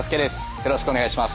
よろしくお願いします。